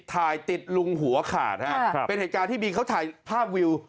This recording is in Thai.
ถ่ายติดลุงหัวขาดฮะเป็นเหตุการณ์ที่บีเขาถ่ายภาพวิว